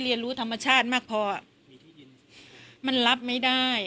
กินโทษส่องแล้วอย่างนี้ก็ได้